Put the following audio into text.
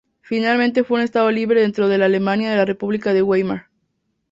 Finalmente fue un Estado libre dentro de la Alemania de la República de Weimar.